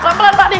pelan pelan pak d